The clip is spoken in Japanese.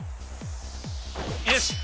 よし。